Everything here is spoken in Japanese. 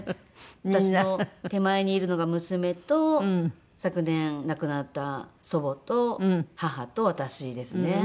私の手前にいるのが娘と昨年亡くなった祖母と母と私ですね。